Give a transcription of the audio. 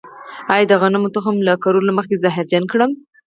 آیا د غنمو تخم له کرلو مخکې زهرجن کړم؟